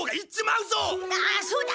あっそうだ！